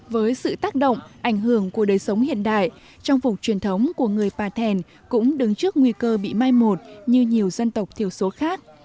với sự tác động ảnh hưởng của đời sống hiện đại trang phục truyền thống của người pà thèn cũng đứng trước nguy cơ bị mai một như nhiều dân tộc thiểu số khác